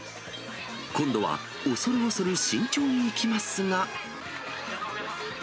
今度は恐る恐る慎重にいきますが。